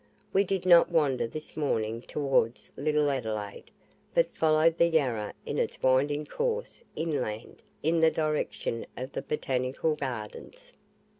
We did not wander this morning towards Little Adelaide; but followed the Yarra in its winding course inland, in the direction of the Botanical Gardens.